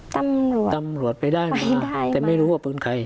ตำรวจไปได้มาแต่ไม่รู้ว่าปืนใคร